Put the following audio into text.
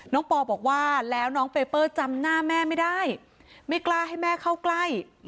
ปอบอกว่าแล้วน้องเปเปอร์จำหน้าแม่ไม่ได้ไม่กล้าให้แม่เข้าใกล้